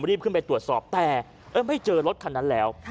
รีบขึ้นไปตรวจสอบแต่ไม่เจอรถคันนั้นแล้ว